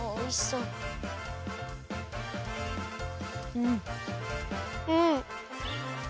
うん。